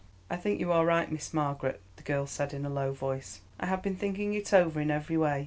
"I think you are right, Miss Margaret," the girl said, in a low voice. "I have been thinking it over in every way.